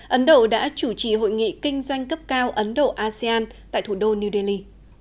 ấn độ đã chủ trì hội nghị kinh doanh cấp cao ấn độ asean tại thủ đô new delhi